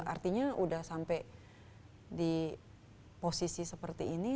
artinya sudah sampai di posisi seperti ini